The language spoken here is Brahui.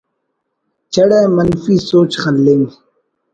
چڑہ منفی سوچ خلنگ